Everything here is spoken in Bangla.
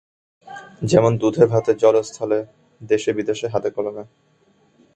যেমন: দুধে-ভাতে, জলে-স্থলে, দেশে-বিদেশে, হাতে-কলমে।